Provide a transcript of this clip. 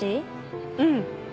うん。